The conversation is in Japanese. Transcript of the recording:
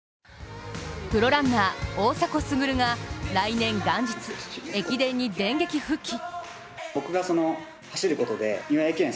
プロランナー・大迫傑が来年元日、駅伝に電撃復帰。